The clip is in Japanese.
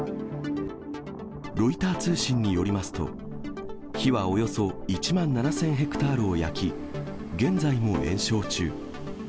ロイター通信によりますと、火はおよそ１万７０００ヘクタールを焼き、現在も延焼中。